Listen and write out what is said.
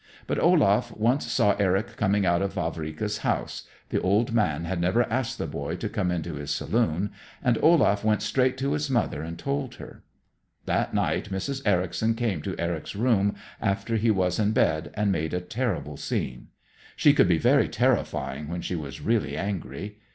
But Olaf once saw Eric coming out of Vavrika's house, the old man had never asked the boy to come into his saloon, and Olaf went straight to his mother and told her. That night Mrs. Ericson came to Eric's room after he was in bed and made a terrible scene. She could be very terrifying when she was really angry.